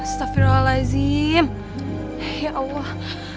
astaghfirullahaladzim ya allah